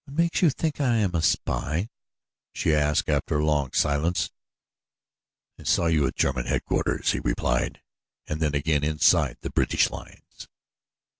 "What makes you think I am a spy?" she asked after a long silence. "I saw you at German headquarters," he replied, "and then again inside the British lines."